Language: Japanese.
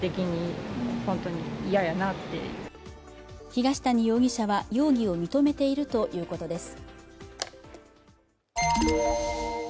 東谷容疑者は容疑を認めているということです。